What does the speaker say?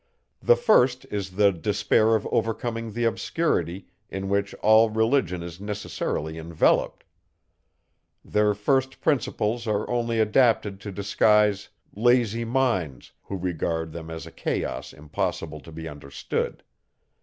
The first is the despair of overcoming the obscurity, in which all religion is necessarily enveloped. Their first principles are only adapted to disgust lazy minds, who regard them as a chaos impossible to be understood.